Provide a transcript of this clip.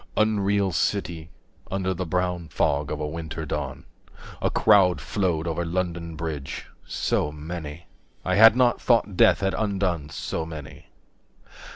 Unreal City, 60 Under the brown fog of a winter dawn, A crowd flowed over London Bridge, so many, I had not thought death had undone so many.